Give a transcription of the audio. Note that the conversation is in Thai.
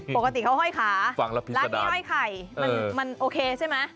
ปกติเขาห้อยขาร้านนี้ห้อยไข่มันโอเคใช่ไหม